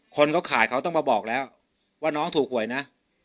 คนเขาขายเขาต้องมาบอกแล้วว่าน้องถูกหวยนะ